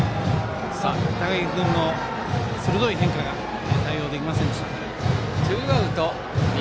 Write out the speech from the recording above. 高木君の鋭い変化対応できませんでした。